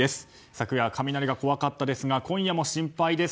昨夜、雷が怖かったですが今夜も心配です。